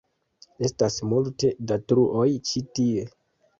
Estas multe da truoj ĉi tie.